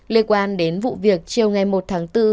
liên quan đến vụ việc chiều ngày một tháng bốn